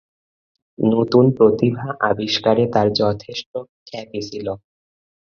নতুন প্রতিভা আবিষ্কারে তার যথেষ্ট খ্যাতি ছিল।